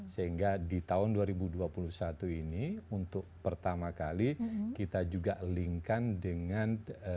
sehingga di tahun dua ribu dua puluh satu ini untuk pertama kali kita juga link kan dengan